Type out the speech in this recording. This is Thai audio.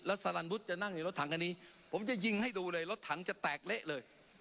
สารันวุฒิจะนั่งในรถถังคันนี้ผมจะยิงให้ดูเลยรถถังจะแตกเละเลย